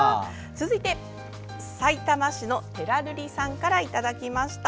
続いて、さいたま市のてらるりさんからいただきました。